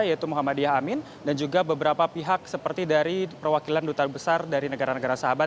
yaitu muhammadiyah amin dan juga beberapa pihak seperti dari perwakilan duta besar dari negara negara sahabat